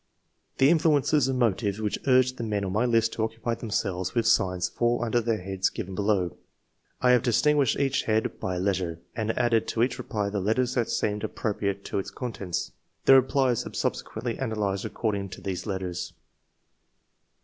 The influences and motives which urged the men on my list to occupy themselves with xcience fall under the heads given below. I III. J ORIGIN OF TASTE FOB SCIENCE, 149 have distinguished each head by a letter, and added to each reply the letters that seemed ap propriate to its contents. The replies are sub sequently analysed according to these letters.